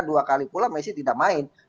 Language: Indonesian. dua kali pula messi tidak main